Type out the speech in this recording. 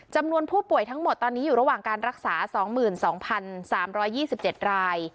จำนวนผู้ป่วยทั้งหมดตอนนี้อยู่ระหว่างการรักษาสองหมื่นสองพันสามร้อยยี่สิบเจ็ดราย